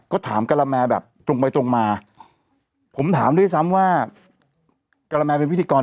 ก็ถามกะละแมแบบตรงไปตรงมาผมถามด้วยซ้ำว่ากะละแมเป็นพิธีกร